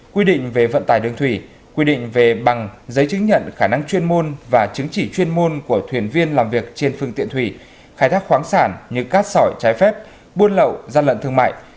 quy định về vận tải đường thủy quy định về bằng giấy chứng nhận khả năng chuyên môn và chứng chỉ chuyên môn của thuyền viên làm việc trên phương tiện thủy khai thác khoáng sản như cát sỏi trái phép buôn lậu gian lận thương mại